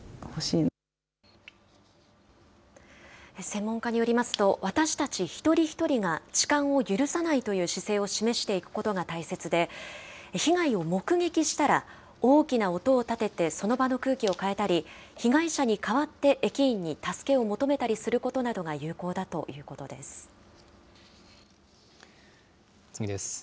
専門家によりますと、私たち一人一人が、痴漢を許さないという姿勢を示していくことが大切で、被害を目撃したら、大きな音を立ててその場の空気を変えたり、被害者に代わって駅員に助けを求めたりすることが有効だというこ次です。